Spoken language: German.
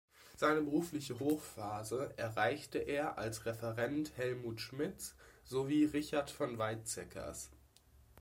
Seine berufliche Hochphase erreichte er als Referent Helmut Schmidts, sowie Richard von Weizsäckers.